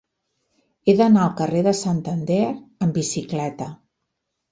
He d'anar al carrer de Santander amb bicicleta.